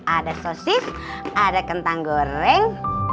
ada sosis ada kentang goreng